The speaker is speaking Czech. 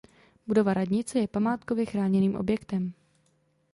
Budova radnice je památkově chráněným objektem.